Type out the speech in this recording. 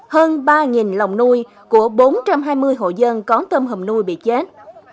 hơn ba lòng nuôi của bốn trăm hai mươi hộ dân có tôm hùm nuôi bị chết